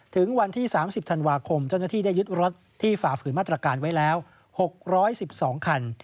ถึงวันที่๓๐ธันวาคมเจ้าหน้าที่ได้ยึดรถที่ฝ่าฝืนมาตรการไว้แล้ว๖๑๒คัน